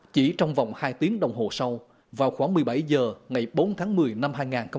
chỉ trong vòng hai tiếng đồng hồ sau vào khoảng một mươi bảy h ngày bốn tháng một mươi năm hai nghìn hai mươi